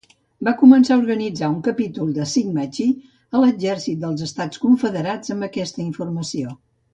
Va començar a organitzar un capítol de Sigma Chi a l'Exèrcit dels Estats Confederats amb aquesta informació.